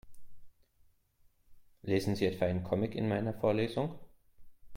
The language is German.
Lesen Sie etwa einen Comic in meiner Vorlesung?